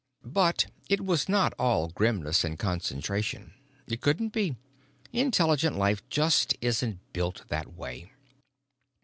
But it was not all grimness and concentration. It couldn't be; intelligent life just isn't built that way.